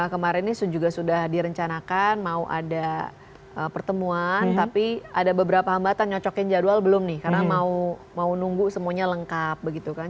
kemarin ini juga sudah direncanakan mau ada pertemuan tapi ada beberapa hambatan nyocokin jadwal belum nih karena mau nunggu semuanya lengkap begitu kan